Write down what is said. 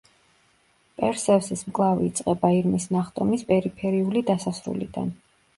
პერსევსის მკლავი იწყება ირმის ნახტომის პერიფერიული დასასრულიდან.